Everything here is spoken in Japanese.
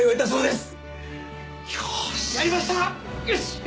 よし！